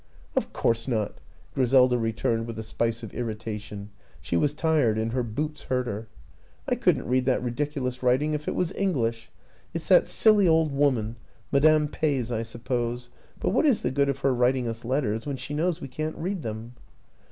"" Of course not," Griselda returned with a spice of irritation she was tired and her boots hurt her. " I couldn't read that ridiculous writ ing if it was English. It's that silly old woman, Madame Peys, I suppose ; but what is the good of her writing us letters when she knows we can't read them?